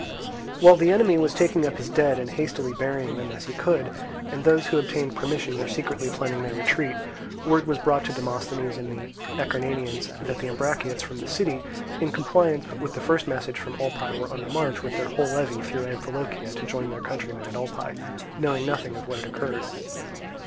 While the enemy was taking up his dead and hastily burying them as he could, and those who obtained permission were secretly planning their retreat, word was brought to Demosthenes and the Acarnanians that the Ambraciots from the city, in compliance with the first message from Olpae, were on the march with their whole levy through Amphilochia to join their countrymen at Olpae, knowing nothing of what had occurred.